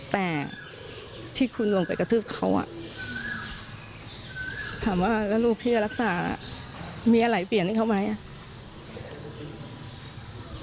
แต่ที่คุณลงไปกระทืบเขาอ่ะถามว่าแล้วลูกพี่จะรักษามีอะไรเปลี่ยนให้เขาไหมอ่ะ